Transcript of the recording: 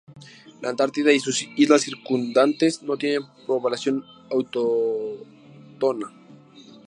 La Antártida y sus islas circundantes no tienen población autóctona.